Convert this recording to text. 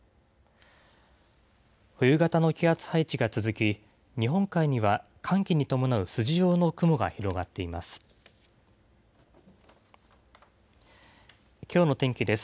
冬型の気圧配置が続き、日本海には寒気に伴う筋状の雲が広がっています。